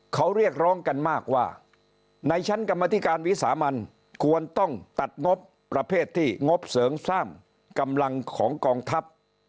เขาเรียกร้องกันมากว่าในชั้นกรรมธิการวิสามันควรต้องตัดงบประเภทที่งบเสริมสร้างกำลังของกองทัพ